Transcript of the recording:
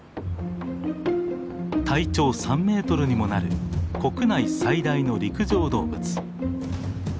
体長３ｍにもなる国内最大の陸上動物。